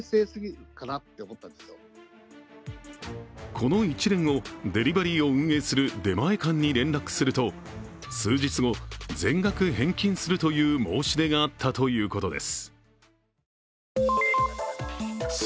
この一連を、デリバリーを運営する出前館に連絡すると数日後、全額返金するという申し出があったということです。